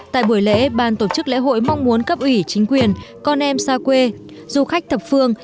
tại buổi lễ ban tổ chức lễ hội mong muốn cấp ủy chính quyền con em xa quê du khách thập phương